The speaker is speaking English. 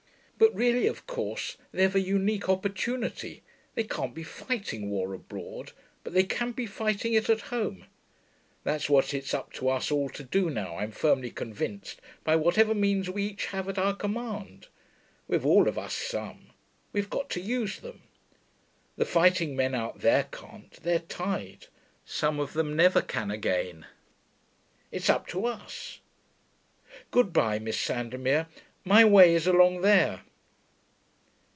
'But really, of course, they've a unique opportunity. They can't be fighting war abroad; but they can be fighting it at home. That's what it's up to us all to do now, I'm firmly convinced, by whatever means we each have at our command. We've all of us some. We've got to use them. The fighting men out there can't; they're tied. Some of them never can again.... It's up to us.... Good bye, Miss Sandomir: my way is along there.'